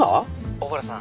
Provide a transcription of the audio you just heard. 「小原さん」